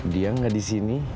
dia nggak di sini